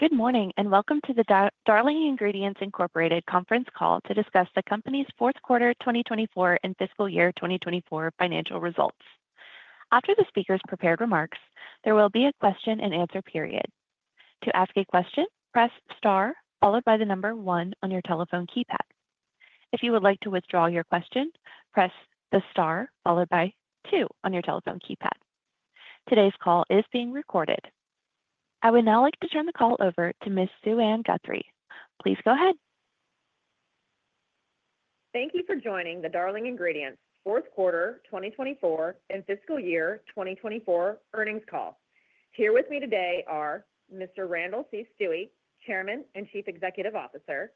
Good morning and welcome to the Darling Ingredients Incorporated conference call to discuss the company's fourth quarter 2024 and fiscal year 2024 financial results. After the speaker's prepared remarks, there will be a question and answer period. To ask a question, press star followed by the number one on your telephone keypad. If you would like to withdraw your question, press the star followed by two on your telephone keypad. Today's call is being recorded. I would now like to turn the call over to Ms. Suann Guthrie. Please go ahead. Thank you for joining the Darling Ingredients fourth quarter 2024 and fiscal year 2024 earnings call. Here with me today are Mr. Randall C. Stuewe, Chairman and Chief Executive Officer;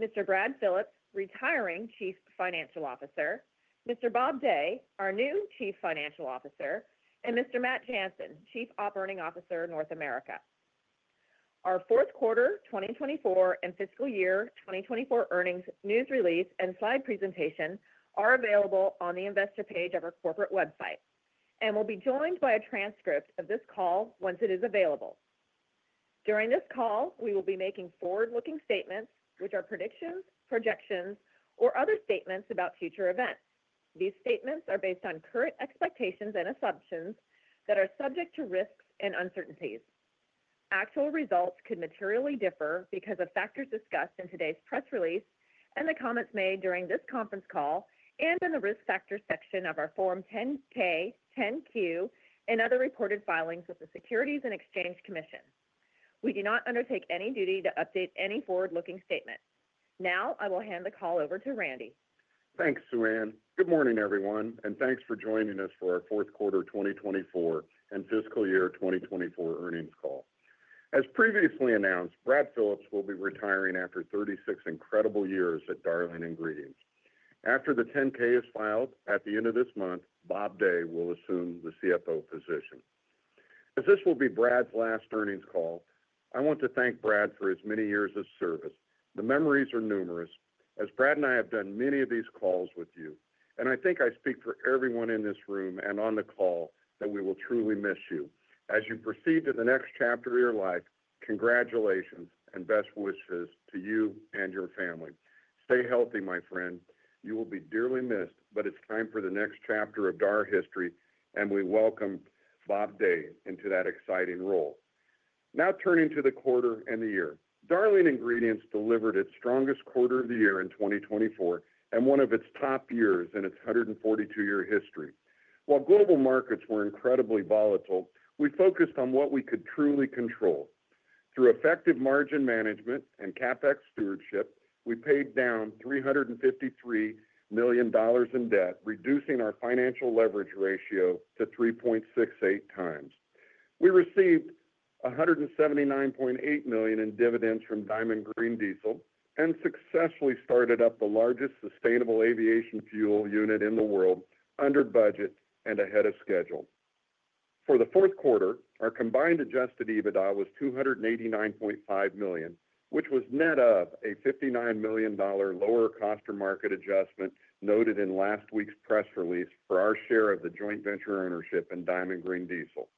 Mr. Brad Phillips, retiring Chief Financial Officer; Mr. Robert Day, our new Chief Financial Officer; and Mr. Matt Jansen, Chief Operating Officer, North America. Our fourth quarter 2024 and fiscal year 2024 earnings news release and slide presentation are available on the investor page of our corporate website and will be joined by a transcript of this call once it is available. During this call, we will be making forward-looking statements, which are predictions, projections, or other statements about future events. These statements are based on current expectations and assumptions that are subject to risks and uncertainties. Actual results could materially differ because of factors discussed in today's press release and the comments made during this conference call and in the risk factor section of our Form 10-K, Form 10-Q, and other reported filings with the Securities and Exchange Commission. We do not undertake any duty to update any forward-looking statement. Now I will hand the call over to Randy. Thanks, Suann. Good morning, everyone, and thanks for joining us for our fourth quarter 2024 and fiscal year 2024 earnings call. As previously announced, Brad Phillips will be retiring after 36 incredible years at Darling Ingredients. After the 10-K is filed at the end of this month, Bob Day will assume the CFO position. As this will be Brad's last earnings call, I want to thank Brad for his many years of service. The memories are numerous, as Brad and I have done many of these calls with you, and I think I speak for everyone in this room and on the call that we will truly miss you. As you proceed to the next chapter of your life, congratulations and best wishes to you and your family. Stay healthy, my friend. You will be dearly missed, but it's time for the next chapter of Darling history, and we welcome Bob Day into that exciting role. Now turning to the quarter and the year, Darling Ingredients delivered its strongest quarter of the year in 2024 and one of its top years in its 142-year history. While global markets were incredibly volatile, we focused on what we could truly control. Through effective margin management and CapEx stewardship, we paid down $353 million in debt, reducing our financial leverage ratio to 3.68 times. We received $179.8 million in dividends from Diamond Green Diesel and successfully started up the largest sustainable aviation fuel unit in the world under budget and ahead of schedule. For the fourth quarter, our combined Adjusted EBITDA was $289.5 million, which was net of a $59 million lower-of-cost-or-market adjustment noted in last week's press release for our share of the joint venture ownership in Diamond Green Diesel.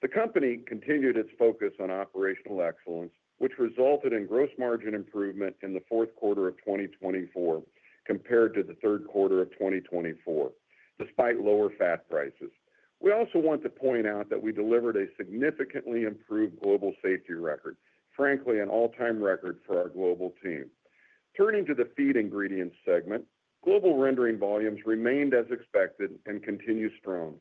The company continued its focus on operational excellence, which resulted in gross margin improvement in the fourth quarter of 2024 compared to the third quarter of 2024, despite lower fat prices. We also want to point out that we delivered a significantly improved global safety record, frankly, an all-time record for our global team. Turning to the Feed Ingredients segment, global rendering volumes remained as expected and continue strong.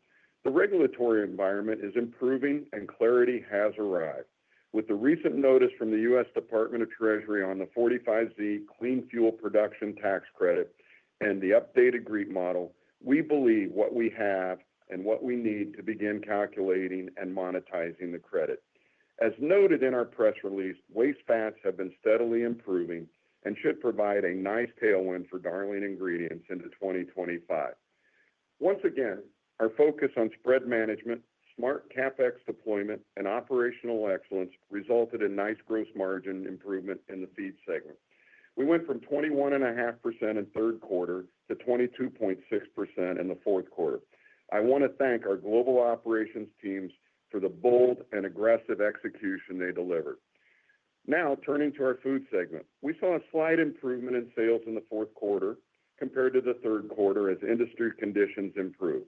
The regulatory environment is improving and clarity has arrived. With the recent notice from the U.S. Department of the Treasury on the 45Z Clean Fuel Production Tax Credit and the updated GREET model, we believe what we have and what we need to begin calculating and monetizing the credit. As noted in our press release, waste fats have been steadily improving and should provide a nice tailwind for Darling Ingredients into 2025. Once again, our focus on spread management, smart CapEx deployment, and operational excellence resulted in nice gross margin improvement in the feed segment. We went from 21.5% in third quarter to 22.6% in the fourth quarter. I want to thank our global operations teams for the bold and aggressive execution they delivered. Now turning to our Food segment, we saw a slight improvement in sales in the fourth quarter compared to the third quarter as industry conditions improved.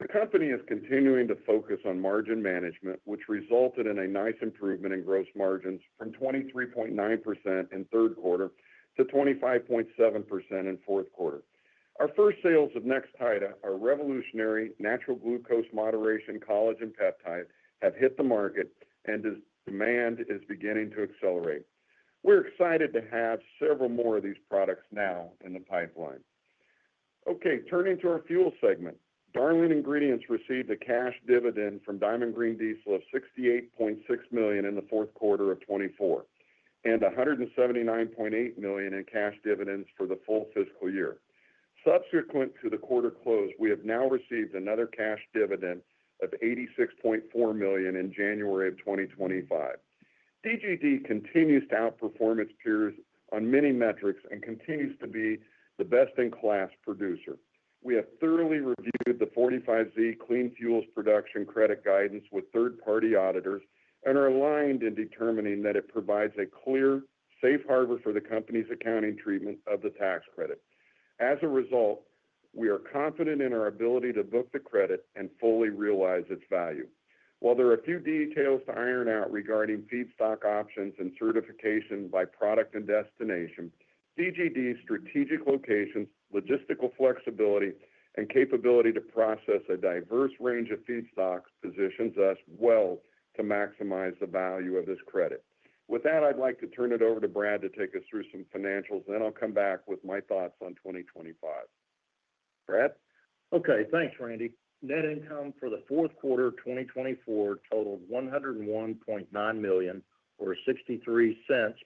The company is continuing to focus on margin management, which resulted in a nice improvement in gross margins from 23.9% in third quarter to 25.7% in fourth quarter. Our first sales of Nextida are revolutionary natural glucose moderation collagen peptide have hit the market and demand is beginning to accelerate. We're excited to have several more of these products now in the pipeline. Okay, turning to our Fuel segment, Darling Ingredients received a cash dividend from Diamond Green Diesel of $68.6 million in the fourth quarter of 2024 and $179.8 million in cash dividends for the full fiscal year. Subsequent to the quarter close, we have now received another cash dividend of $86.4 million in January of 2025. DGD continues to outperform its peers on many metrics and continues to be the best-in-class producer. We have thoroughly reviewed the 45Z Clean Fuel Production Credit guidance with third-party auditors and are aligned in determining that it provides a clear, safe harbor for the company's accounting treatment of the tax credit. As a result, we are confident in our ability to book the credit and fully realize its value. While there are a few details to iron out regarding feedstock options and certification by product and destination, DGD's strategic locations, logistical flexibility, and capability to process a diverse range of feedstocks positions us well to maximize the value of this credit. With that, I'd like to turn it over to Brad to take us through some financials, then I'll come back with my thoughts on 2025. Brad? Okay, thanks, Randy. Net income for the fourth quarter of 2024 totaled $101.9 million or $0.63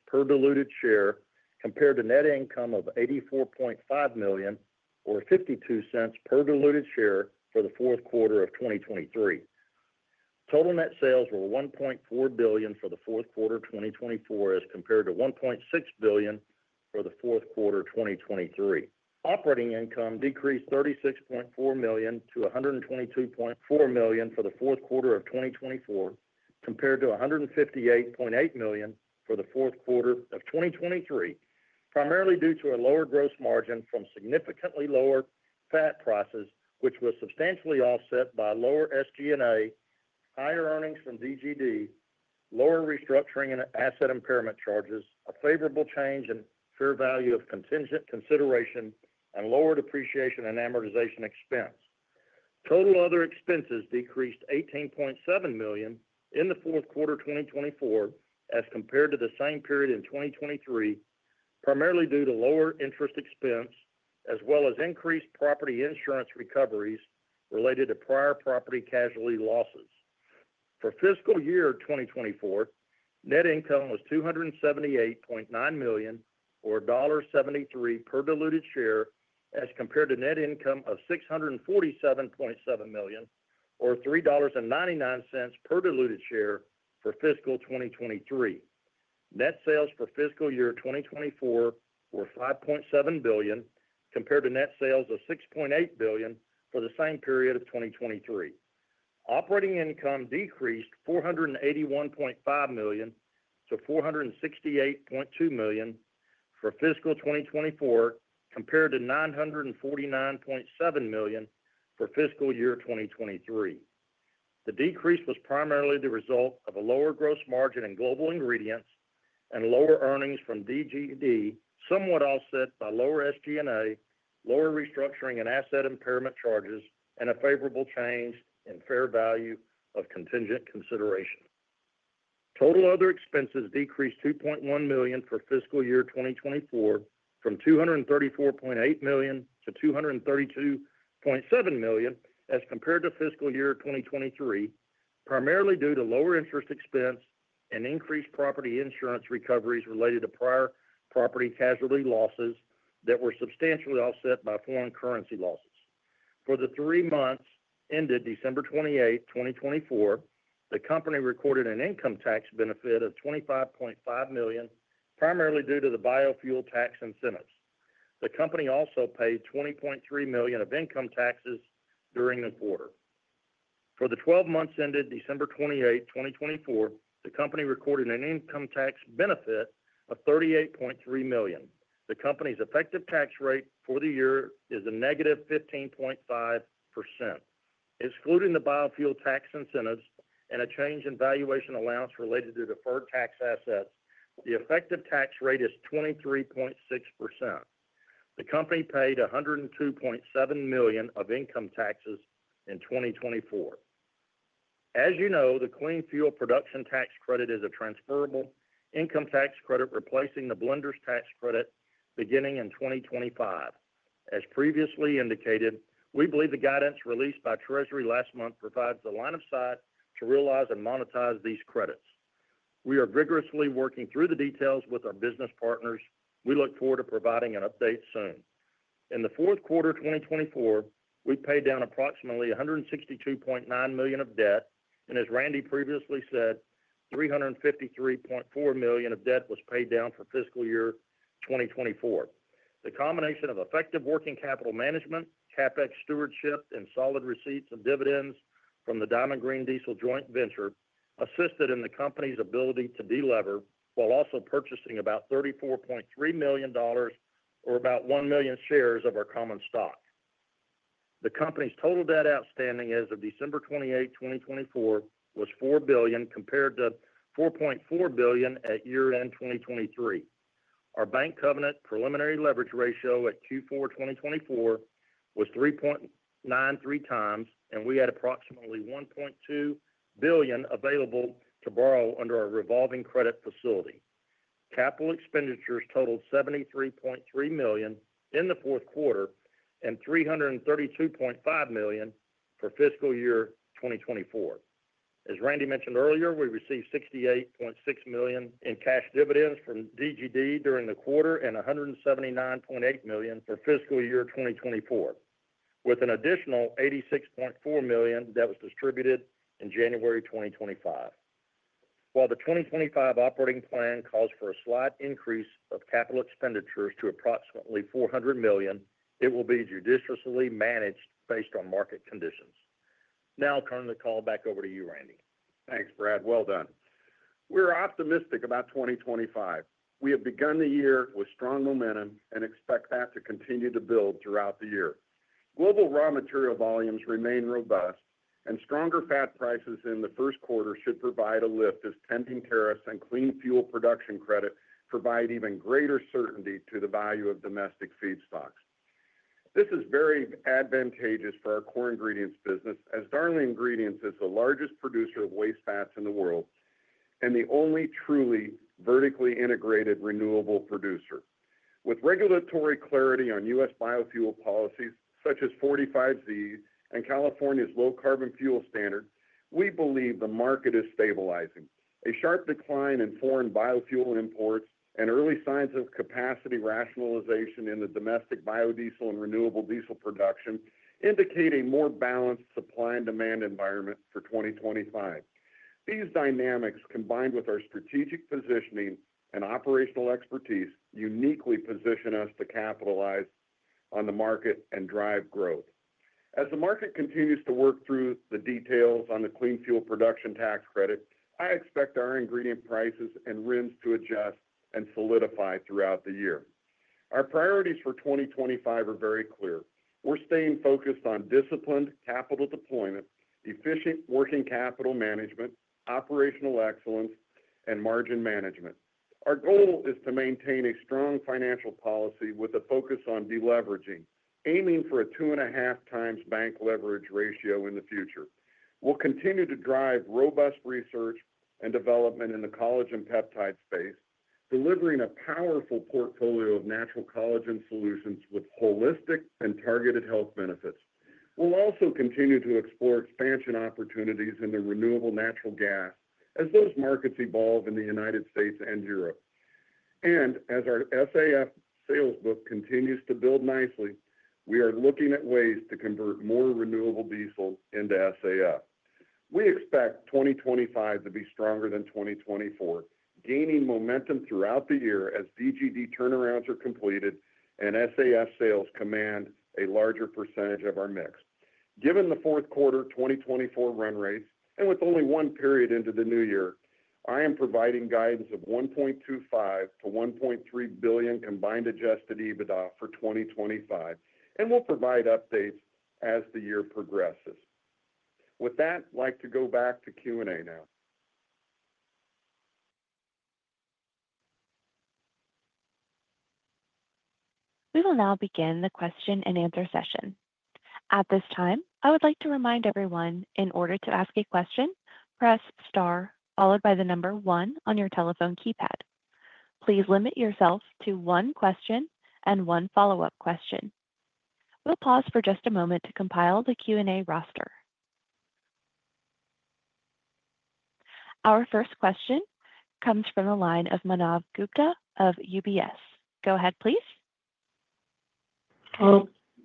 per diluted share compared to net income of $84.5 million or $0.52 per diluted share for the fourth quarter of 2023. Total net sales were $1.4 billion for the fourth quarter of 2024 as compared to $1.6 billion for the fourth quarter of 2023. Operating income decreased $36.4 million to $122.4 million for the fourth quarter of 2024 compared to $158.8 million for the fourth quarter of 2023, primarily due to a lower gross margin from significantly lower fat prices, which was substantially offset by lower SG&A, higher earnings from DGD, lower restructuring and asset impairment charges, a favorable change in fair value of contingent consideration, and lower depreciation and amortization expense. Total other expenses decreased $18.7 million in the fourth quarter of 2024 as compared to the same period in 2023, primarily due to lower interest expense as well as increased property insurance recoveries related to prior property casualty losses. For fiscal year 2024, net income was $278.9 million or $1.73 per diluted share as compared to net income of $647.7 million or $3.99 per diluted share for fiscal 2023. Net sales for fiscal year 2024 were $5.7 billion compared to net sales of $6.8 billion for the same period of 2023. Operating income decreased $481.5 million-$468.2 million for fiscal 2024 compared to $949.7 million for fiscal year 2023. The decrease was primarily the result of a lower gross margin in global ingredients and lower earnings from DGD, somewhat offset by lower SG&A, lower restructuring and asset impairment charges, and a favorable change in fair value of contingent consideration. Total other expenses decreased $2.1 million for fiscal year 2024 from $234.8 million-$232.7 million as compared to fiscal year 2023, primarily due to lower interest expense and increased property insurance recoveries related to prior property casualty losses that were substantially offset by foreign currency losses. For the three months ended December 28, 2024, the company recorded an income tax benefit of $25.5 million, primarily due to the biofuel tax incentives. The company also paid $20.3 million of income taxes during the quarter. For the 12 months ended December 28, 2024, the company recorded an income tax benefit of $38.3 million. The company's effective tax rate for the year is a negative 15.5%. Excluding the biofuel tax incentives and a change in valuation allowance related to deferred tax assets, the effective tax rate is 23.6%. The company paid $102.7 million of income taxes in 2024. As you know, the Clean Fuel Production Tax Credit is a transferable income tax credit replacing the Blenders Tax Credit beginning in 2025. As previously indicated, we believe the guidance released by Treasury last month provides the line of sight to realize and monetize these credits. We are vigorously working through the details with our business partners. We look forward to providing an update soon. In the fourth quarter of 2024, we paid down approximately $162.9 million of debt, and as Randy previously said, $353.4 million of debt was paid down for fiscal year 2024. The combination of effective working capital management, CapEx stewardship, and solid receipts of dividends from the Diamond Green Diesel joint venture assisted in the company's ability to delever while also purchasing about $34.3 million or about one million shares of our common stock. The company's total debt outstanding as of December 28, 2024, was $4 billion compared to $4.4 billion at year-end 2023. Our bank covenant preliminary leverage ratio at Q4 2024 was 3.93x, and we had approximately $1.2 billion available to borrow under our revolving credit facility. Capital expenditures totaled $73.3 million in the fourth quarter and $332.5 million for fiscal year 2024. As Randy mentioned earlier, we received $68.6 million in cash dividends from DGD during the quarter and $179.8 million for fiscal year 2024, with an additional $86.4 million that was distributed in January 2025. While the 2025 operating plan calls for a slight increase of capital expenditures to approximately $400 million, it will be judiciously managed based on market conditions. Now, I'll turn the call back over to you, Randy. Thanks, Brad. Well done. We're optimistic about 2025. We have begun the year with strong momentum and expect that to continue to build throughout the year. Global raw material volumes remain robust, and stronger fat prices in the first quarter should provide a lift as pending tariffs and Clean Fuel Production Credit provide even greater certainty to the value of domestic feedstocks. This is very advantageous for our core ingredients business, as Darling Ingredients is the largest producer of waste fats in the world and the only truly vertically integrated renewable producer. With regulatory clarity on U.S. biofuel policies such as 45Z and California's Low Carbon Fuel Standard, we believe the market is stabilizing. A sharp decline in foreign biofuel imports and early signs of capacity rationalization in the domestic biodiesel and renewable diesel production indicate a more balanced supply and demand environment for 2025. These dynamics, combined with our strategic positioning and operational expertise, uniquely position us to capitalize on the market and drive growth. As the market continues to work through the details on the Clean Fuel Production Tax Credit, I expect our ingredient prices and RINs to adjust and solidify throughout the year. Our priorities for 2025 are very clear. We're staying focused on disciplined capital deployment, efficient working capital management, operational excellence, and margin management. Our goal is to maintain a strong financial policy with a focus on deleveraging, aiming for a two and a half times bank leverage ratio in the future. We'll continue to drive robust research and development in the collagen peptide space, delivering a powerful portfolio of natural collagen solutions with holistic and targeted health benefits. We'll also continue to explore expansion opportunities in the renewable natural gas as those markets evolve in the United States and Europe, and as our SAF sales book continues to build nicely, we are looking at ways to convert more renewable diesel into SAF. We expect 2025 to be stronger than 2024, gaining momentum throughout the year as DGD turnarounds are completed and SAF sales command a larger percentage of our mix. Given the fourth quarter 2024 run rates and with only one period into the new year, I am providing guidance of $1.25-$1.3 billion combined Adjusted EBITDA for 2025, and we'll provide updates as the year progresses. With that, I'd like to go back to Q&A now. We will now begin the question and answer session. At this time, I would like to remind everyone, in order to ask a question, press star, followed by the number one on your telephone keypad. Please limit yourself to one question and one follow-up question. We'll pause for just a moment to compile the Q&A roster. Our first question comes from the line of Manav Gupta of UBS. Go ahead, please.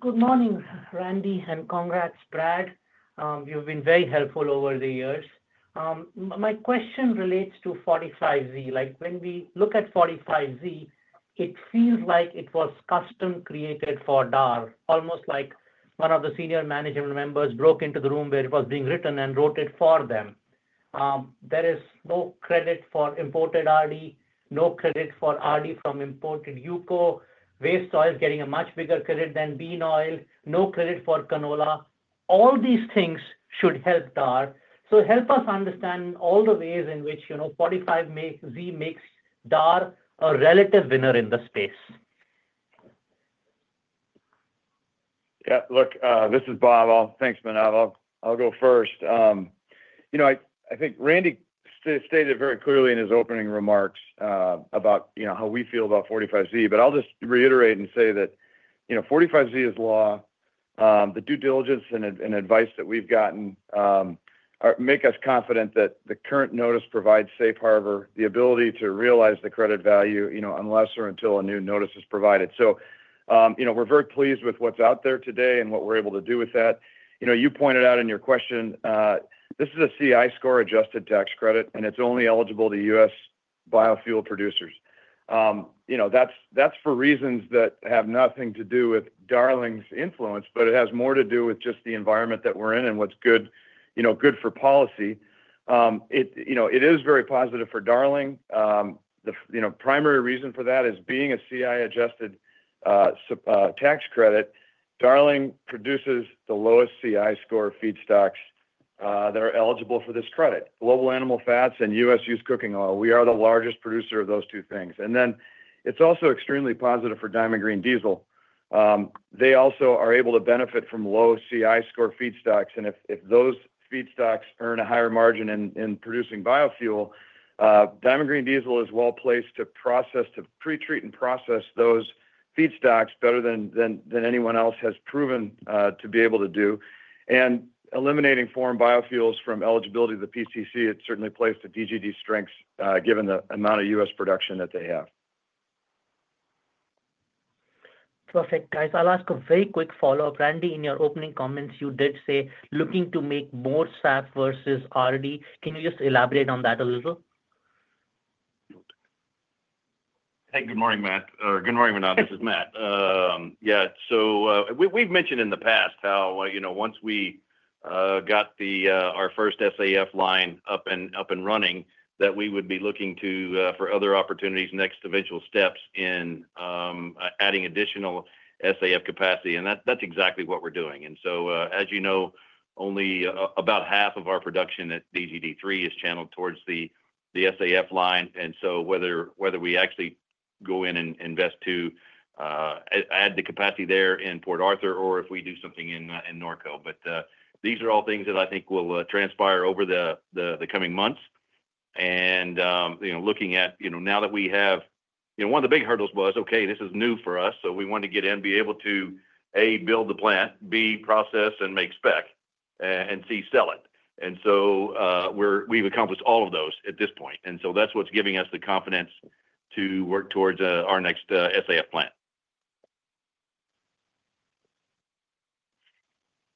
Good morning, Randy, and congrats, Brad. You've been very helpful over the years. My question relates to 45Z. Like when we look at 45Z, it feels like it was custom created for DAR, almost like one of the senior management members broke into the room where it was being written and wrote it for them. There is no credit for imported RD, no credit for RD from imported used cooking oil. Waste oil is getting a much bigger credit than bean oil. No credit for canola. All these things should help DAR. So help us understand all the ways in which 45Z makes DAR a relative winner in the space. Yeah, look, this is Bob. Thanks, Manav. I'll go first. You know, I think Randy stated very clearly in his opening remarks about how we feel about 45Z, but I'll just reiterate and say that 45Z is law. The due diligence and advice that we've gotten make us confident that the current notice provides safe harbor, the ability to realize the credit value unless or until a new notice is provided. So we're very pleased with what's out there today and what we're able to do with that. You pointed out in your question, this is a CI score adjusted tax credit, and it's only eligible to U.S. biofuel producers. That's for reasons that have nothing to do with Darling's influence, but it has more to do with just the environment that we're in and what's good for policy. It is very positive for Darling. The primary reason for that is being a CI-adjusted tax credit. Darling produces the lowest CI score feedstocks that are eligible for this credit: global animal fats and U.S. used cooking oil. We are the largest producer of those two things. And then it's also extremely positive for Diamond Green Diesel. They also are able to benefit from low CI score feedstocks. And if those feedstocks earn a higher margin in producing biofuel, Diamond Green Diesel is well placed to pre-treat and process those feedstocks better than anyone else has proven to be able to do. And eliminating foreign biofuels from eligibility of the 45Z, it certainly plays to DGD's strengths given the amount of U.S. production that they have. Perfect, guys. I'll ask a very quick follow-up. Randy, in your opening comments, you did say looking to make more SAF versus RD. Can you just elaborate on that a little? Hey, good morning, Matt. Good morning, Manav. This is Matt. Yeah, so we've mentioned in the past how once we got our first SAF line up and running, that we would be looking for other opportunities next to eventual steps in adding additional SAF capacity, and that's exactly what we're doing. So, as you know, only about half of our production at DGD3 is channeled towards the SAF line, and whether we actually go in and invest to add the capacity there in Port Arthur or if we do something in Norco, these are all things that I think will transpire over the coming months. Looking at now that we have one of the big hurdles was, okay, this is new for us, so we wanted to get in, be able to A, build the plant, B, process and make spec, and C, sell it. And so we've accomplished all of those at this point. And so that's what's giving us the confidence to work towards our next SAF plant.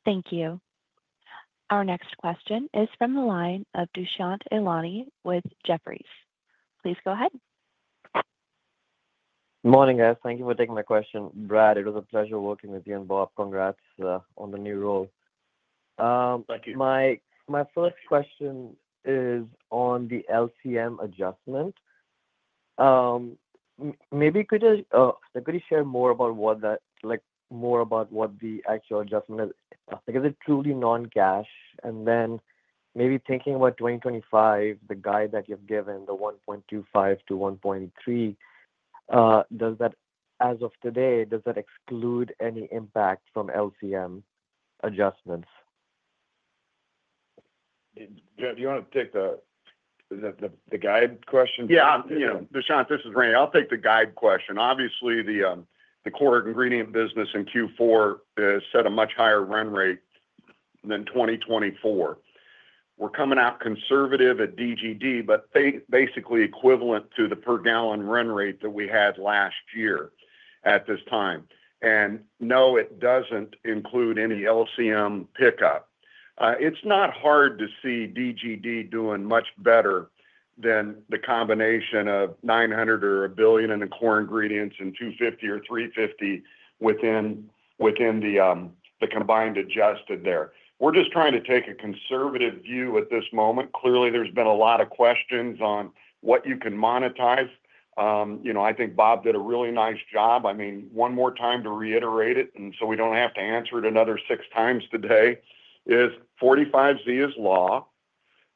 Thank you. Our next question is from the line of Dushyant Ailani with Jefferies. Please go ahead. Good morning, guys. Thank you for taking my question. Brad, it was a pleasure working with you and Bob. Congrats on the new role. Thank you. My first question is on the LCM adjustment. Maybe could you share more about what the actual adjustment is? Is it truly non-cash? And then maybe thinking about 2025, the guide that you've given, the 1.25-1.3, as of today, does that exclude any impact from LCM adjustments? Do you want to take the guide question? Yeah, Dushyant, this is Randy. I'll take the guide question. Obviously, the core ingredient business in Q4 set a much higher run rate than 2024. We're coming out conservative at DGD, but basically equivalent to the per gallon run rate that we had last year at this time. And no, it doesn't include any LCM pickup. It's not hard to see DGD doing much better than the combination of $900 million or $1 billion in the core ingredients and $250 million or $350 million within the combined adjusted there. We're just trying to take a conservative view at this moment. Clearly, there's been a lot of questions on what you can monetize. I think Bob did a really nice job. I mean, one more time to reiterate it, and so we don't have to answer it another six times today, is 45Z is law.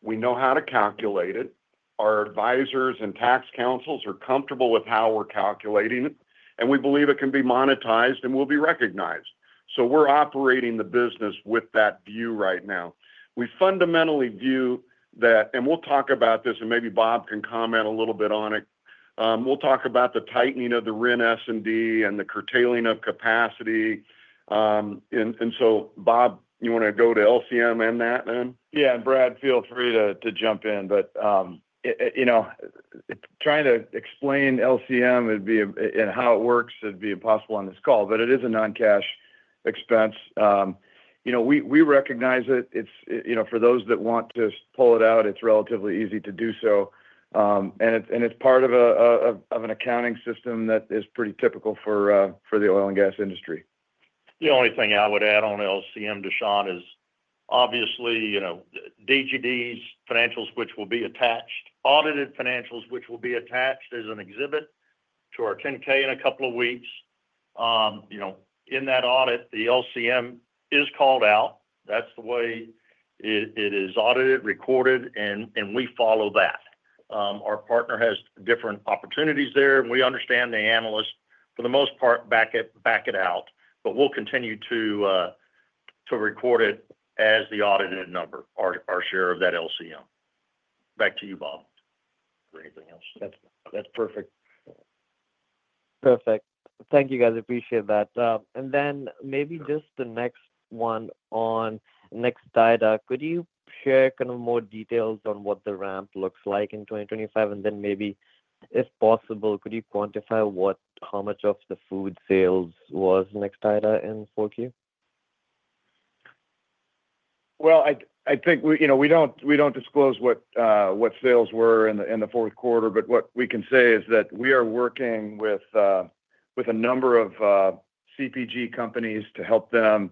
We know how to calculate it. Our advisors and tax counsels are comfortable with how we're calculating it, and we believe it can be monetized and will be recognized. So we're operating the business with that view right now. We fundamentally view that, and we'll talk about this, and maybe Bob can comment a little bit on it. We'll talk about the tightening of the RIN S&D and the curtailing of capacity. And so, Bob, you want to go to LCM and that then? Yeah, and Brad, feel free to jump in. But trying to explain LCM and how it works would be impossible on this call, but it is a non-cash expense. We recognize it. For those that want to pull it out, it's relatively easy to do so. And it's part of an accounting system that is pretty typical for the oil and gas industry. The only thing I would add on LCM, Dushyant, is obviously DGD's financials, which will be attached, audited financials, which will be attached as an exhibit to our 10-K in a couple of weeks. In that audit, the LCM is called out. That's the way it is audited, recorded, and we follow that. Our partner has different opportunities there, and we understand the analyst, for the most part, back it out. But we'll continue to record it as the audited number, our share of that LCM. Back to you, Bob, for anything else. That's perfect. Perfect. Thank you, guys. Appreciate that. And then maybe just the next one on Nextida. Could you share kind of more details on what the ramp looks like in 2025? And then maybe, if possible, could you quantify how much of the food sales was Nextida in 4Q? I think we don't disclose what sales were in the fourth quarter, but what we can say is that we are working with a number of CPG companies to help them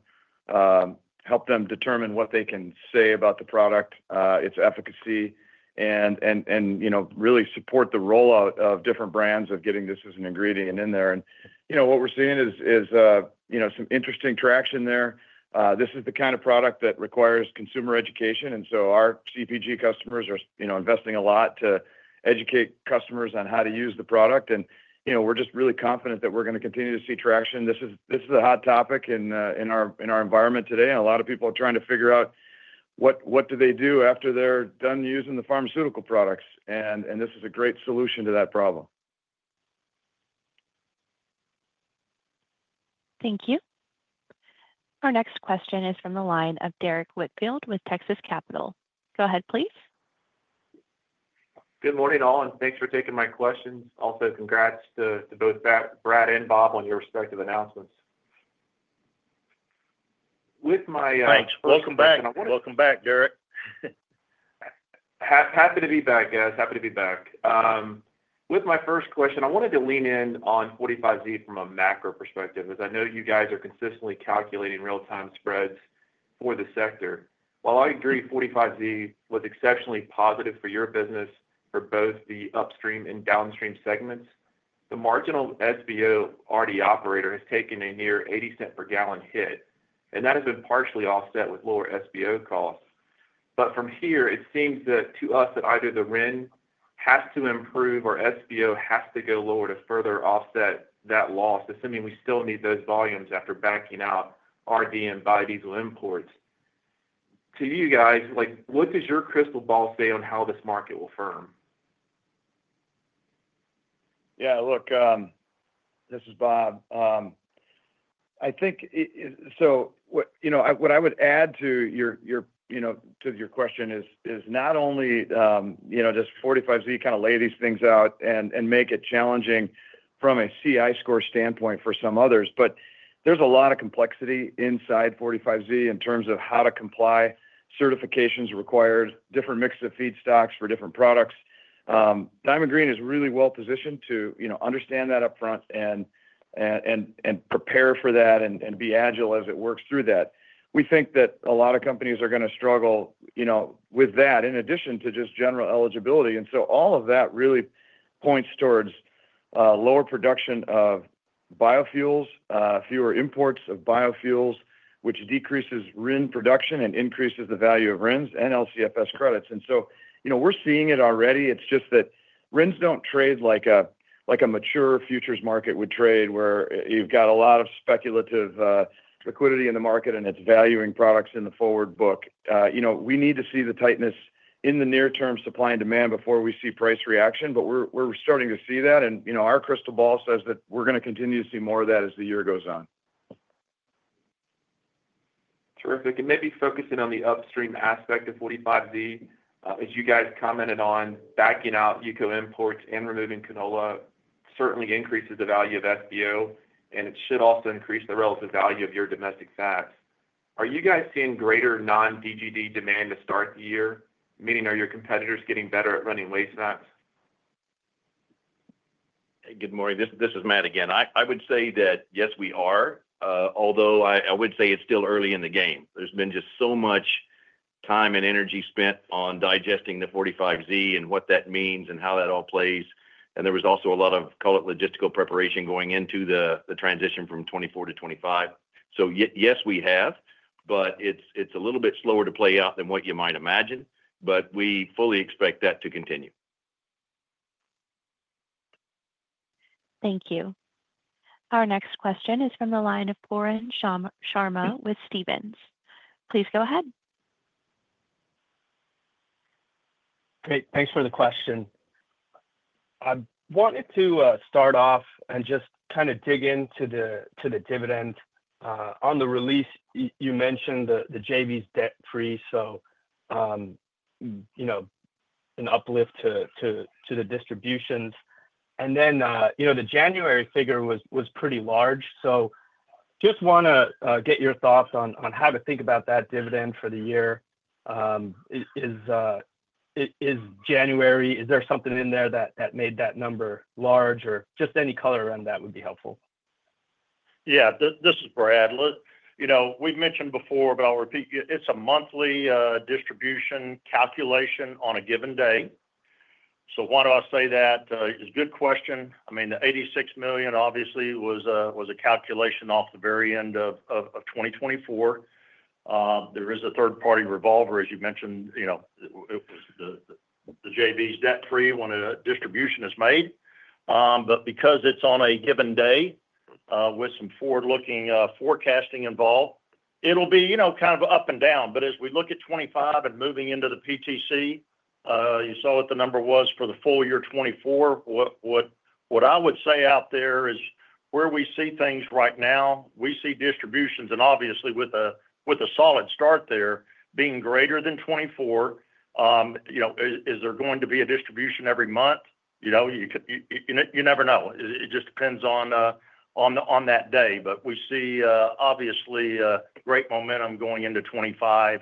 determine what they can say about the product, its efficacy, and really support the rollout of different brands of getting this as an ingredient in there. What we're seeing is some interesting traction there. This is the kind of product that requires consumer education. Our CPG customers are investing a lot to educate customers on how to use the product. We're just really confident that we're going to continue to see traction. This is a hot topic in our environment today. A lot of people are trying to figure out what do they do after they're done using the pharmaceutical products. This is a great solution to that problem. Thank you. Our next question is from the line of Derrick Whitfield with Texas Capital. Go ahead, please. Good morning, all, and thanks for taking my questions. Also, congrats to both Brad and Bob on your respective announcements. Thanks. Welcome back, Derrick. Happy to be back, guys. Happy to be back. With my first question, I wanted to lean in on 45Z from a macro perspective, as I know you guys are consistently calculating real-time spreads for the sector. While I agree 45Z was exceptionally positive for your business for both the upstream and downstream segments, the marginal SBO RD operator has taken a near $0.80 per gallon hit. And that has been partially offset with lower SBO costs. But from here, it seems to us that either the RIN has to improve or SBO has to go lower to further offset that loss, assuming we still need those volumes after backing out RD and biodiesel imports. To you guys, what does your crystal ball say on how this market will firm? Yeah, look, this is Bob. I think so what I would add to your question is not only does 45Z kind of lay these things out and make it challenging from a CI score standpoint for some others, but there's a lot of complexity inside 45Z in terms of how to comply. Certifications required, different mixes of feedstocks for different products. Diamond Green is really well positioned to understand that upfront and prepare for that and be agile as it works through that. We think that a lot of companies are going to struggle with that in addition to just general eligibility. And so all of that really points towards lower production of biofuels, fewer imports of biofuels, which decreases RIN production and increases the value of RINs and LCFS credits. And so we're seeing it already. It's just that RINs don't trade like a mature futures market would trade, where you've got a lot of speculative liquidity in the market and it's valuing products in the forward book. We need to see the tightness in the near-term supply and demand before we see price reaction, but we're starting to see that, and our crystal ball says that we're going to continue to see more of that as the year goes on. Terrific. And maybe focusing on the upstream aspect of 45Z, as you guys commented on, backing out UCO imports and removing canola certainly increases the value of SBO, and it should also increase the relative value of your domestic fats. Are you guys seeing greater non-DGD demand to start the year? Meaning, are your competitors getting better at running waste oils? Hey, good morning. This is Matt again. I would say that yes, we are, although I would say it's still early in the game. There's been just so much time and energy spent on digesting the 45Z and what that means and how that all plays, and there was also a lot of, call it logistical preparation, going into the transition from 2024 to 2025, so yes, we have, but it's a little bit slower to play out than what you might imagine, but we fully expect that to continue. Thank you. Our next question is from the line of Pooran Sharma with Stephens. Please go ahead. Great. Thanks for the question. I wanted to start off and just kind of dig into the dividend. On the release, you mentioned the JV's debt freeze, so an uplift to the distributions. And then the January figure was pretty large. So just want to get your thoughts on how to think about that dividend for the year. Is January, is there something in there that made that number large, or just any color around that would be helpful? Yeah, this is Brad. We've mentioned before, but I'll repeat, it's a monthly distribution calculation on a given day. So why do I say that? It's a good question. I mean, the $86 million, obviously, was a calculation off the very end of 2024. There is a third-party revolver, as you mentioned. It was the JV's debt free when a distribution is made. But because it's on a given day with some forward-looking forecasting involved, it'll be kind of up and down. But as we look at 2025 and moving into the PTC, you saw what the number was for the full year 2024. What I would say out there is where we see things right now, we see distributions, and obviously, with a solid start there being greater than 2024, is there going to be a distribution every month? You never know. It just depends on that day. But we see, obviously, great momentum going into 2025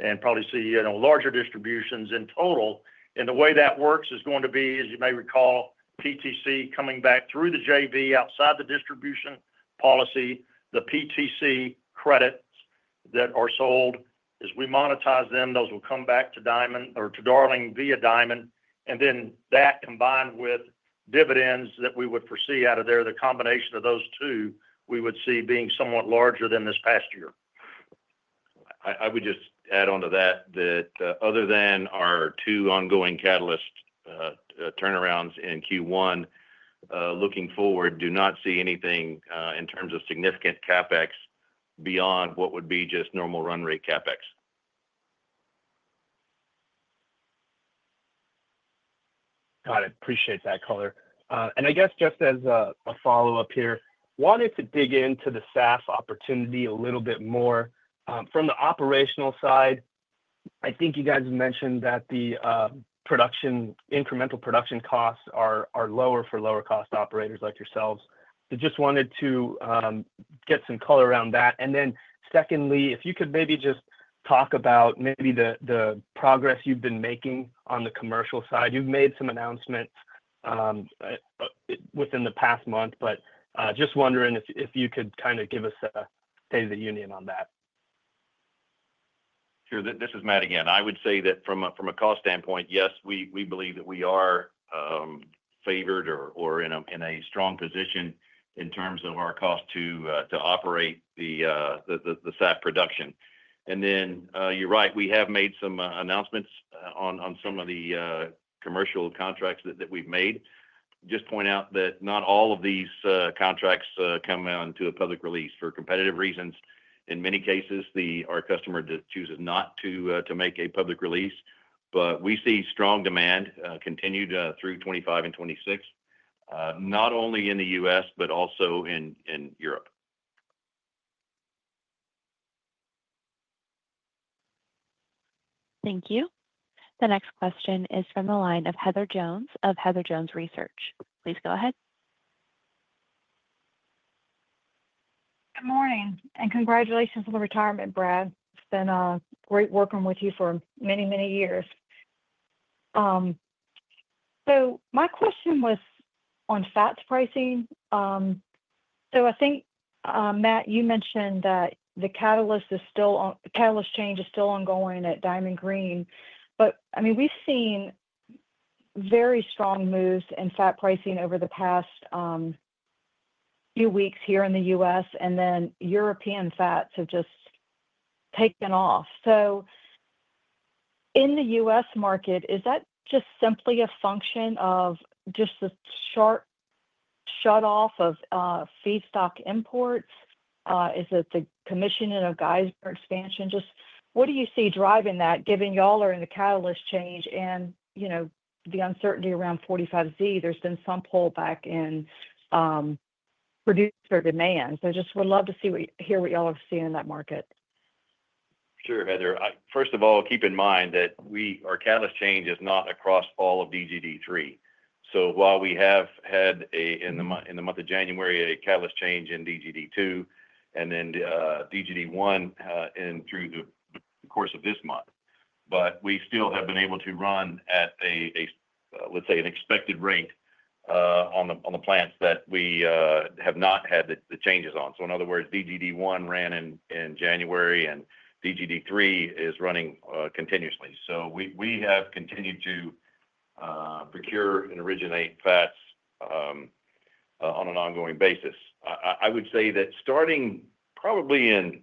and probably see larger distributions in total. And the way that works is going to be, as you may recall, PTC coming back through the JV outside the distribution policy, the PTC credits that are sold. As we monetize them, those will come back to Darling via Diamond. And then that combined with dividends that we would foresee out of there, the combination of those two, we would see being somewhat larger than this past year. I would just add on to that that other than our two ongoing catalyst turnarounds in Q1, looking forward, do not see anything in terms of significant CapEx beyond what would be just normal run rate CapEx. Got it. Appreciate that color. And I guess just as a follow-up here, wanted to dig into the SAF opportunity a little bit more. From the operational side, I think you guys mentioned that the incremental production costs are lower for lower-cost operators like yourselves. So just wanted to get some color around that. And then secondly, if you could maybe just talk about maybe the progress you've been making on the commercial side. You've made some announcements within the past month, but just wondering if you could kind of give us a state of the union on that. Sure. This is Matt again. I would say that from a cost standpoint, yes, we believe that we are favored or in a strong position in terms of our cost to operate the SAF production, and then you're right. We have made some announcements on some of the commercial contracts that we've made. Just point out that not all of these contracts come out into a public release for competitive reasons. In many cases, our customer chooses not to make a public release, but we see strong demand continued through 2025 and 2026, not only in the U.S., but also in Europe. Thank you. The next question is from the line of Heather Jones of Heather Jones Research. Please go ahead. Good morning, and congratulations on the retirement, Brad. It's been great working with you for many, many years. So my question was on fat pricing. So I think, Matt, you mentioned that the catalyst change is still ongoing at Diamond Green. But I mean, we've seen very strong moves in fat pricing over the past few weeks here in the U.S., and then European fats have just taken off. So in the U.S. market, is that just simply a function of just the sharp shutoff of feedstock imports? Is it the commissioning of Geismar expansion? Just what do you see driving that, given y'all are in the catalyst change and the uncertainty around 45Z? There's been some pullback in producer demand. So just would love to hear what y'all are seeing in that market. Sure, Heather. First of all, keep in mind that our catalyst change is not across all of DGD3. So while we have had, in the month of January, a catalyst change in DGD2 and then DGD1 through the course of this month, but we still have been able to run at a, let's say, an expected rate on the plants that we have not had the changes on. So in other words, DGD1 ran in January, and DGD3 is running continuously. So we have continued to procure and originate fats on an ongoing basis. I would say that starting probably in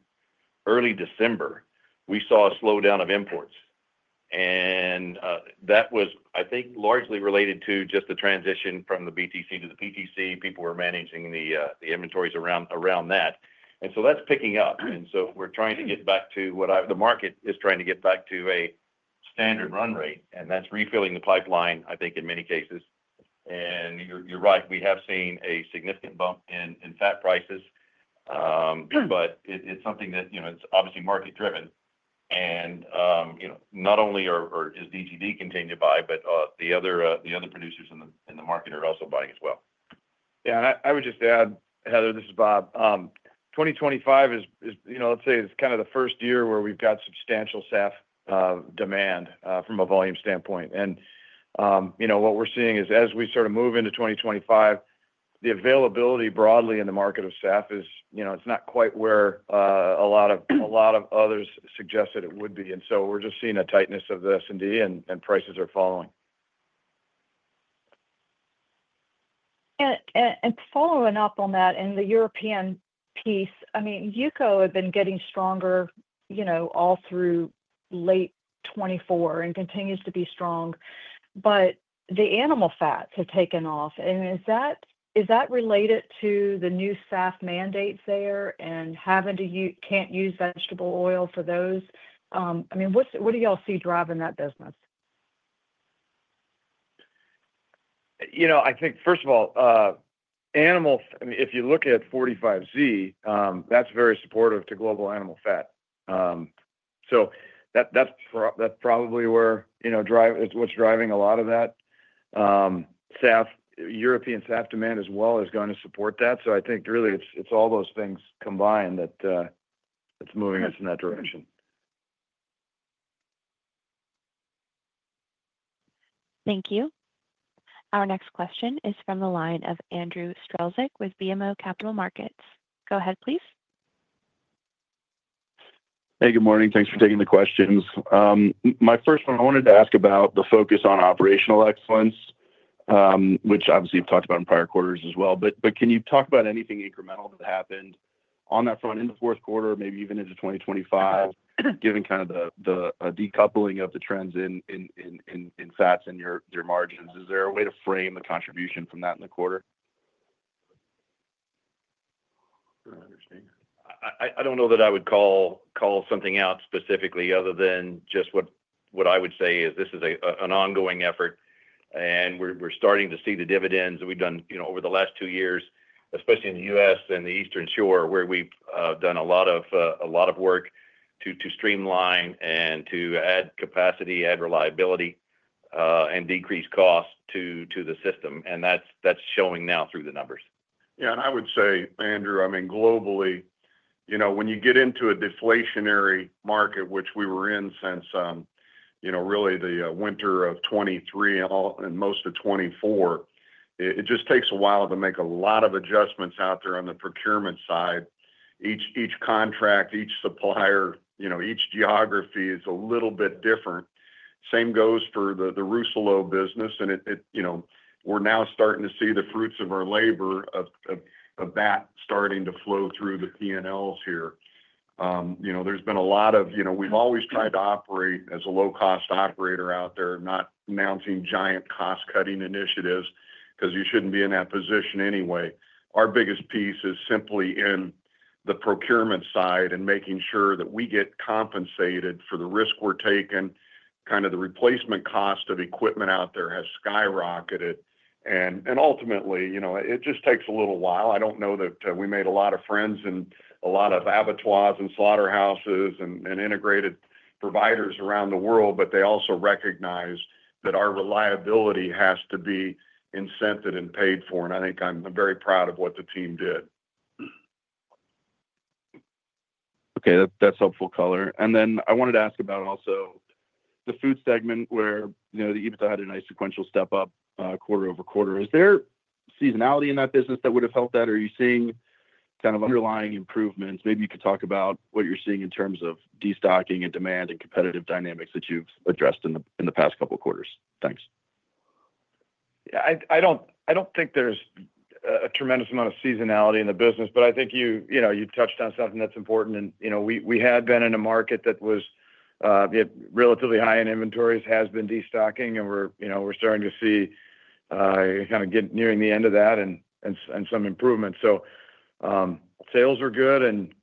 early December, we saw a slowdown of imports. And that was, I think, largely related to just the transition from the BTC to the PTC. People were managing the inventories around that. And so that's picking up. And so we're trying to get back to what the market is trying to get back to a standard run rate. And that's refilling the pipeline, I think, in many cases. And you're right. We have seen a significant bump in fat prices, but it's something that's obviously market-driven. And not only is DGD continued to buy, but the other producers in the market are also buying as well. Yeah. And I would just add, Heather, this is Bob. 2025 is, let's say, kind of the first year where we've got substantial SAF demand from a volume standpoint. And what we're seeing is, as we sort of move into 2025, the availability broadly in the market of SAF, it's not quite where a lot of others suggested it would be. And so we're just seeing a tightness of the S&D, and prices are falling. Following up on that and the European piece, I mean, UCO had been getting stronger all through late 2024 and continues to be strong. But the animal fats have taken off. And is that related to the new SAF mandates there and having to can't use vegetable oil for those? I mean, what do y'all see driving that business? I think, first of all, animal, if you look at 45Z, that's very supportive to global animal fat. So that's probably what's driving a lot of that. European SAF demand as well is going to support that. So I think, really, it's all those things combined that's moving us in that direction. Thank you. Our next question is from the line of Andrew Strelzik with BMO Capital Markets. Go ahead, please. Hey, good morning. Thanks for taking the questions. My first one, I wanted to ask about the focus on operational excellence, which obviously you've talked about in prior quarters as well. But can you talk about anything incremental that happened on that front in the fourth quarter, maybe even into 2025, given kind of the decoupling of the trends in fats and your margins? Is there a way to frame the contribution from that in the quarter? I don't know that I would call something out specifically other than just what I would say is this is an ongoing effort, and we're starting to see the dividends that we've done over the last two years, especially in the U.S. and the Eastern Shore, where we've done a lot of work to streamline and to add capacity, add reliability, and decrease cost to the system, and that's showing now through the numbers. Yeah. And I would say, Andrew, I mean, globally, when you get into a deflationary market, which we were in since really the winter of 2023 and most of 2024, it just takes a while to make a lot of adjustments out there on the procurement side. Each contract, each supplier, each geography is a little bit different. Same goes for the Rousselot business. And we're now starting to see the fruits of our labor of that starting to flow through the P&Ls here. There's been a lot of. We've always tried to operate as a low-cost operator out there, not announcing giant cost-cutting initiatives because you shouldn't be in that position anyway. Our biggest piece is simply in the procurement side and making sure that we get compensated for the risk we're taking. Kind of the replacement cost of equipment out there has skyrocketed. Ultimately, it just takes a little while. I don't know that we made a lot of friends and a lot of abattoirs and slaughterhouses and integrated providers around the world, but they also recognize that our reliability has to be incented and paid for. I think I'm very proud of what the team did. Okay. That's helpful color. And then I wanted to ask about also the Food segment where the EBITDA had a nice sequential step up quarter over quarter. Is there seasonality in that business that would have helped that? Are you seeing kind of underlying improvements? Maybe you could talk about what you're seeing in terms of destocking and demand and competitive dynamics that you've addressed in the past couple of quarters. Thanks. Yeah. I don't think there's a tremendous amount of seasonality in the business, but I think you touched on something that's important, and we had been in a market that was relatively high in inventories, has been destocking, and we're starting to see kind of nearing the end of that and some improvement, so sales are good, and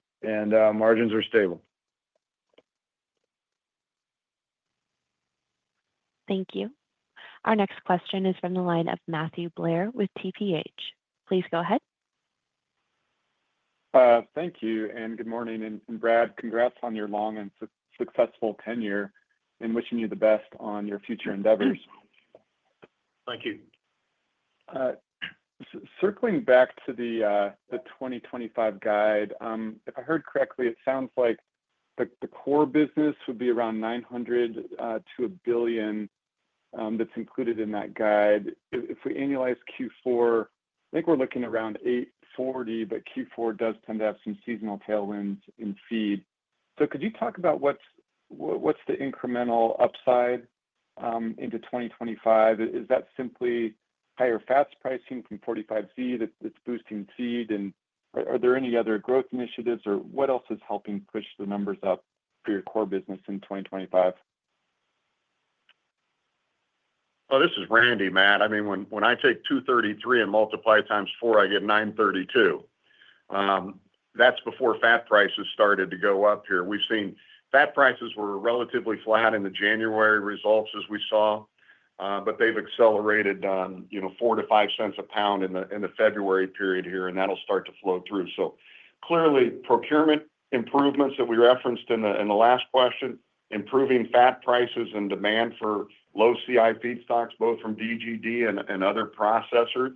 margins are stable. Thank you. Our next question is from the line of Matthew Blair with TPH. Please go ahead. Thank you and good morning. Brad, congrats on your long and successful tenure, and wishing you the best on your future endeavors. Thank you. Circling back to the 2025 guide, if I heard correctly, it sounds like the core business would be around $900 million-$1 billion that's included in that guide. If we annualize Q4, I think we're looking around $840 million, but Q4 does tend to have some seasonal tailwinds in feed. So could you talk about what's the incremental upside into 2025? Is that simply higher fat pricing from 45Z that's boosting feed? And are there any other growth initiatives, or what else is helping push the numbers up for your core business in 2025? Oh, this is Randy, Matt. I mean, when I take 233 and multiply it times 4, I get 932. That's before fat prices started to go up here. We've seen fat prices were relatively flat in the January results as we saw, but they've accelerated $0.04-$0.05 a pound in the February period here, and that'll start to flow through. So clearly, procurement improvements that we referenced in the last question, improving fat prices and demand for low-CI feedstocks, both from DGD and other processors.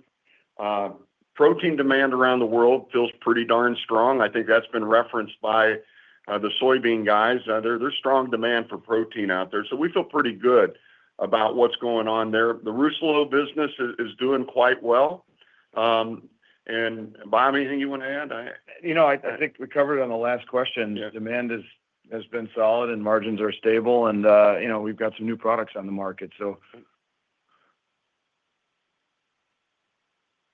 Protein demand around the world feels pretty darn strong. I think that's been referenced by the soybean guys. There's strong demand for protein out there. So we feel pretty good about what's going on there. The Rousselot business is doing quite well. And Bob, anything you want to add? I think we covered on the last question. Demand has been solid, and margins are stable, and we've got some new products on the market, so.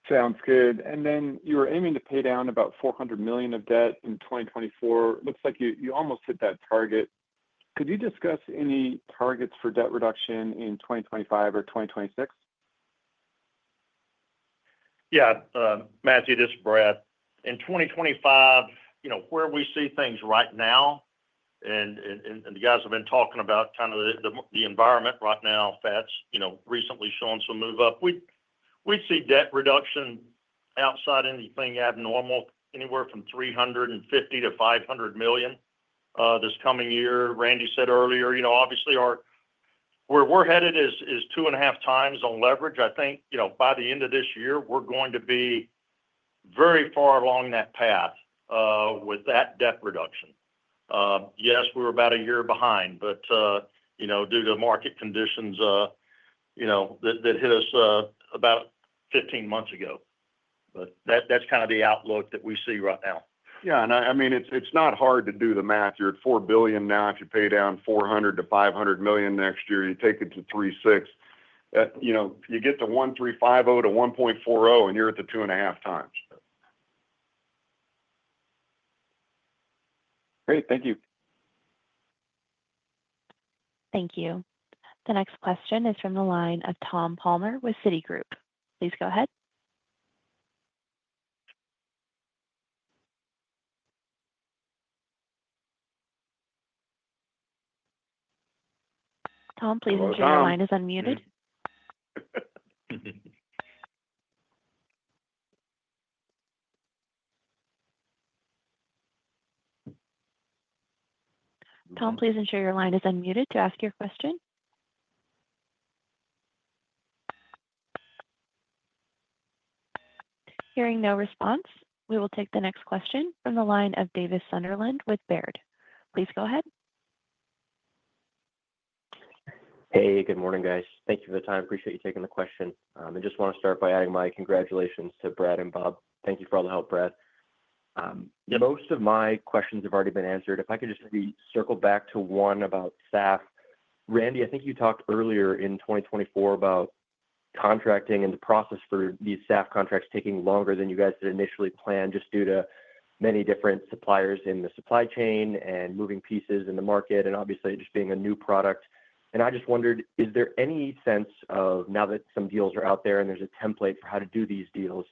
Sounds good. And then you were aiming to pay down about $400 million of debt in 2024. Looks like you almost hit that target. Could you discuss any targets for debt reduction in 2025 or 2026? Yeah. Matthew, this is Brad. In 2025, where we see things right now, and the guys have been talking about kind of the environment right now, fats recently showing some move up, we'd see debt reduction outside anything abnormal, anywhere from $350 million-$500 million this coming year. Randy said earlier, obviously, where we're headed is two and a half times on leverage. I think by the end of this year, we're going to be very far along that path with that debt reduction. Yes, we were about a year behind, but due to market conditions that hit us about 15 months ago. But that's kind of the outlook that we see right now. Yeah. And I mean, it's not hard to do the math. You're at $4 billion now. If you pay down $400 million-$500 million next year, you take it to 3.6. You get to $13.50-$14.00, and you're at the two and a half times. Great. Thank you. Thank you. The next question is from the line of Tom Palmer with Citigroup. Please go ahead. Tom, please ensure your line is unmuted. Tom, please ensure your line is unmuted to ask your question. Hearing no response, we will take the next question from the line of Davis Sunderland with Baird. Please go ahead. Hey, good morning, guys. Thank you for the time. Appreciate you taking the question. I just want to start by adding my congratulations to Brad and Bob. Thank you for all the help, Brad. Most of my questions have already been answered. If I could just maybe circle back to one about SAF. Randy, I think you talked earlier in 2024 about contracting and the process for these SAF contracts taking longer than you guys had initially planned just due to many different suppliers in the supply chain and moving pieces in the market and obviously just being a new product, and I just wondered, is there any sense of now that some deals are out there and there's a template for how to do these deals,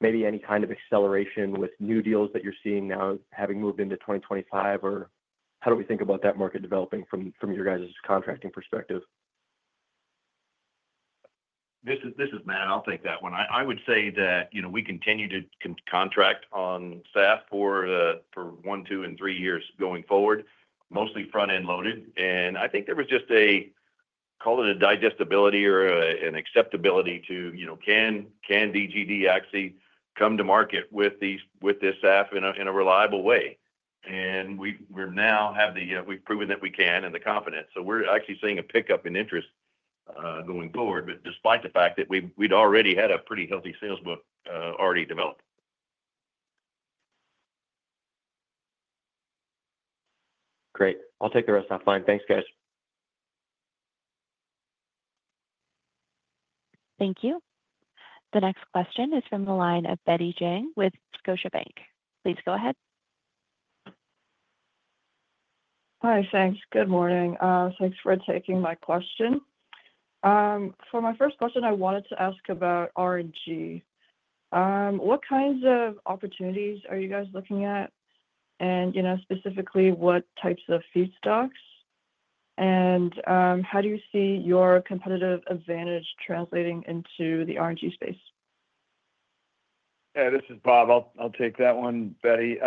maybe any kind of acceleration with new deals that you're seeing now having moved into 2025, or how do we think about that market developing from your guys' contracting perspective? This is Matt. I'll take that one. I would say that we continue to contract on SAFs for one, two, and three years going forward, mostly front-end loaded. And I think there was just a, call it a digestibility or an acceptability to, can DGD actually come to market with this SAFs in a reliable way? And we now have. We've proven that we can and the confidence. So we're actually seeing a pickup in interest going forward, but despite the fact that we'd already had a pretty healthy sales book developed. Great. I'll take the rest. I'm fine. Thanks, guys. Thank you. The next question is from the line of Betty Zhang with Scotiabank. Please go ahead. Hi, thanks. Good morning. Thanks for taking my question. For my first question, I wanted to ask about RNG. What kinds of opportunities are you guys looking at, and specifically what types of feedstocks, and how do you see your competitive advantage translating into the RNG space? Yeah. This is Bob. I'll take that one, Betty.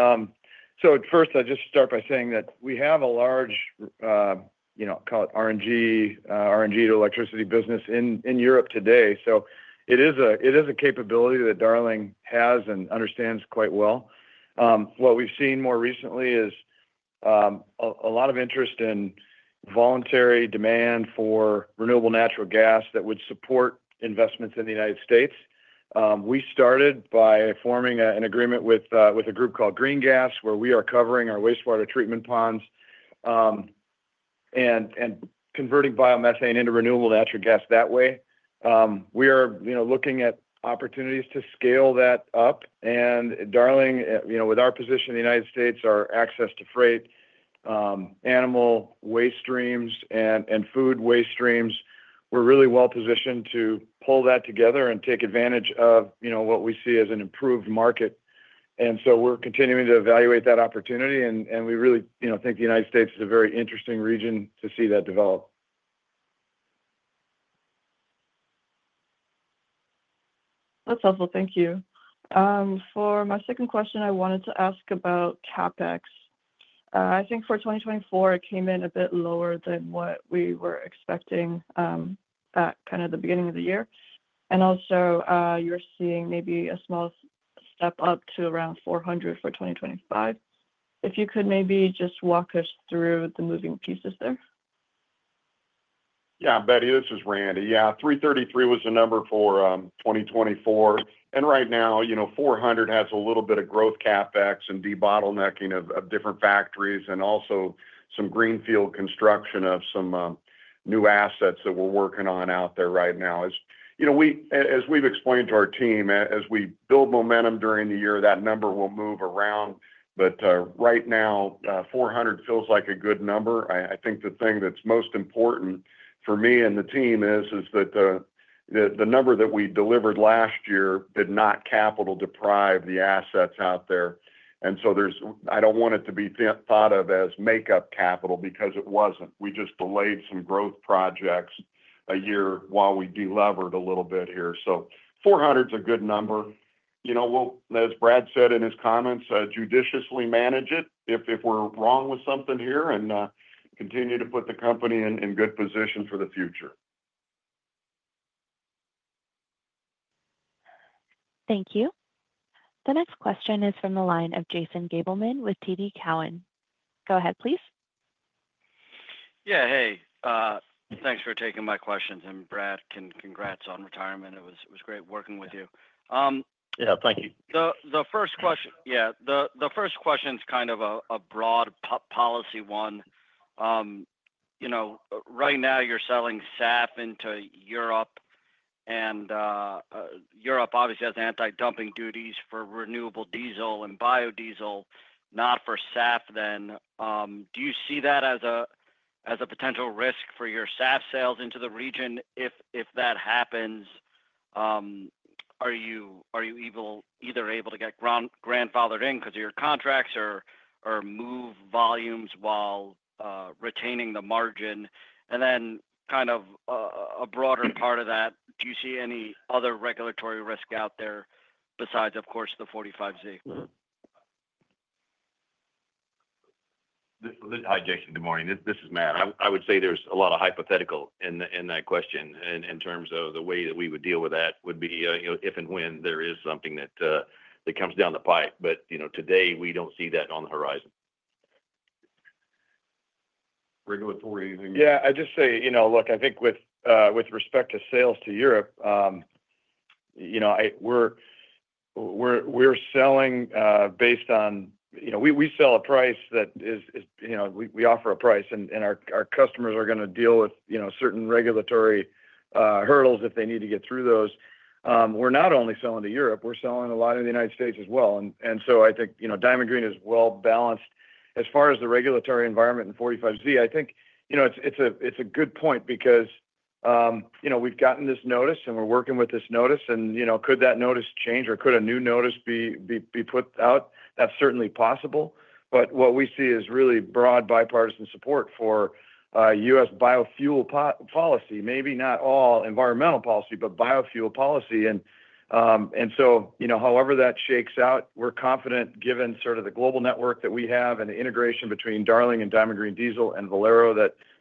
So first, I'll just start by saying that we have a large, I'll call it RNG to electricity business in Europe today. So it is a capability that Darling has and understands quite well. What we've seen more recently is a lot of interest in voluntary demand for renewable natural gas that would support investments in the United States. We started by forming an agreement with a group called GreenGasUSA, where we are covering our wastewater treatment ponds and converting biomethane into renewable natural gas that way. We are looking at opportunities to scale that up. And Darling, with our position in the United States, our access to feed, animal waste streams, and food waste streams, we're really well positioned to pull that together and take advantage of what we see as an improved market. And so we're continuing to evaluate that opportunity, and we really think the United States is a very interesting region to see that develop. That's helpful. Thank you. For my second question, I wanted to ask about CapEx. I think for 2024, it came in a bit lower than what we were expecting at kind of the beginning of the year. And also, you're seeing maybe a small step up to around 400 for 2025. If you could maybe just walk us through the moving pieces there. Yeah. Betty, this is Randy. Yeah. 333 was the number for 2024. And right now, 400 has a little bit of growth CapEx and debottlenecking of different factories and also some greenfield construction of some new assets that we're working on out there right now. As we've explained to our team, as we build momentum during the year, that number will move around. But right now, 400 feels like a good number. I think the thing that's most important for me and the team is that the number that we delivered last year did not capital deprive the assets out there. And so I don't want it to be thought of as makeup capital because it wasn't. We just delayed some growth projects a year while we delevered a little bit here. So 400 is a good number. As Brad said in his comments, judiciously manage it if we're wrong with something here and continue to put the company in good position for the future. Thank you. The next question is from the line of Jason Gabelman with TD Cowen. Go ahead, please. Yeah. Hey. Thanks for taking my questions. And Brad, congrats on retirement. It was great working with you. Yeah. Thank you. The first question, yeah. The first question is kind of a broad policy one. Right now, you're selling RNG into Europe, and Europe obviously has anti-dumping duties for renewable diesel and biodiesel, not for RNG then. Do you see that as a potential risk for your RNG sales into the region? If that happens, are you either able to get grandfathered in because of your contracts or move volumes while retaining the margin? And then kind of a broader part of that, do you see any other regulatory risk out there besides, of course, the 45Z? Hi, Jason. Good morning. This is Matt. I would say there's a lot of hypothetical in that question in terms of the way that we would deal with that would be if and when there is something that comes down the pipe. But today, we don't see that on the horizon. Regulatory things. Yeah. I just say, look, I think with respect to sales to Europe, we're selling based on a price that we offer, and our customers are going to deal with certain regulatory hurdles if they need to get through those. We're not only selling to Europe. We're selling a lot in the United States as well. And so I think Diamond Green Diesel is well-balanced as far as the regulatory environment in 45Z. I think it's a good point because we've gotten this notice, and we're working with this notice. And could that notice change, or could a new notice be put out? That's certainly possible. But what we see is really broad bipartisan support for U.S. biofuel policy, maybe not all environmental policy, but biofuel policy. And so however that shakes out, we're confident given sort of the global network that we have and the integration between Darling and Diamond Green Diesel and Valero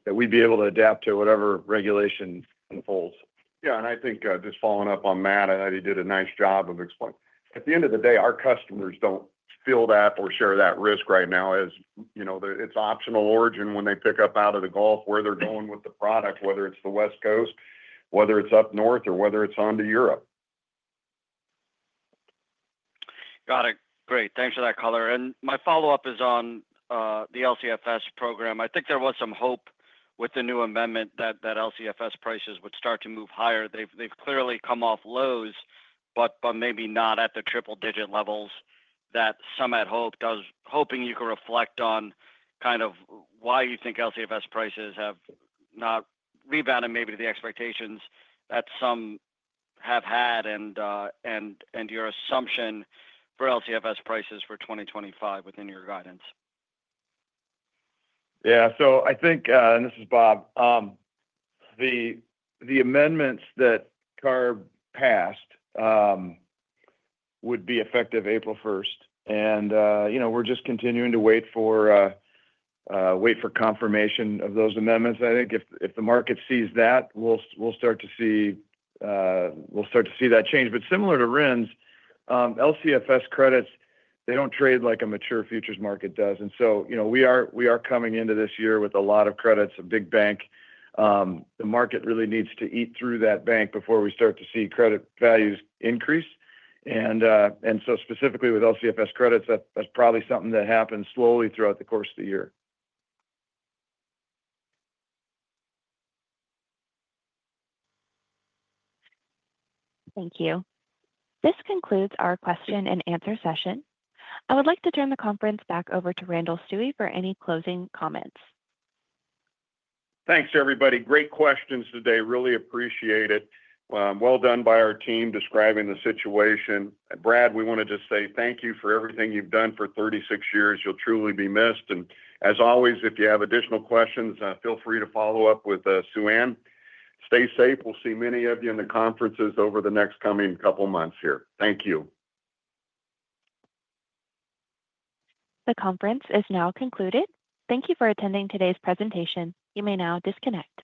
that we'd be able to adapt to whatever regulation unfolds. Yeah. And I think just following up on Matt, I thought he did a nice job of explaining. At the end of the day, our customers don't feel that or share that risk right now. It's optional origin when they pick up out of the Gulf where they're going with the product, whether it's the West Coast, whether it's up north, or whether it's onto Europe. Got it. Great. Thanks for that color. And my follow-up is on the LCFS program. I think there was some hope with the new amendment that LCFS prices would start to move higher. They've clearly come off lows, but maybe not at the triple-digit levels that some had hoped. I was hoping you could reflect on kind of why you think LCFS prices have not rebounded maybe to the expectations that some have had and your assumption for LCFS prices for 2025 within your guidance. Yeah. So I think, and this is Bob, the amendments that CARB passed would be effective April 1st. We're just continuing to wait for confirmation of those amendments. I think if the market sees that, we'll start to see that change. But similar to RINs, LCFS credits, they don't trade like a mature futures market does. So we are coming into this year with a lot of credits of big bank. The market really needs to eat through that bank before we start to see credit values increase. Specifically with LCFS credits, that's probably something that happens slowly throughout the course of the year. Thank you. This concludes our question-and-answer session. I would like to turn the conference back over to Randall Stuewe for any closing comments. Thanks, everybody. Great questions today. Really appreciate it. Well done by our team describing the situation. And Brad, we want to just say thank you for everything you've done for 36 years. You'll truly be missed. And as always, if you have additional questions, feel free to follow up with Suann. Stay safe. We'll see many of you in the conferences over the next coming couple of months here. Thank you. The conference is now concluded. Thank you for attending today's presentation. You may now disconnect.